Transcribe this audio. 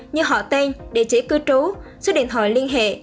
như họ tên địa chỉ cư trú số điện thoại liên hệ